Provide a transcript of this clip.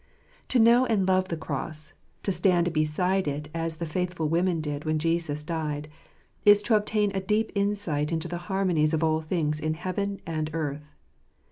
To know and love the cross— to stand beside it as the faithful women did when Jesus died — is to obtain a deep insight into the harmonies of all things iii heaven and earth.